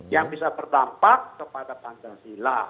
yang bisa berdampak kepada pancasila